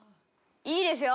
いいですよ。